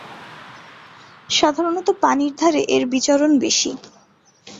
সাধারণত পানির ধারে এর বিচরণ বেশি।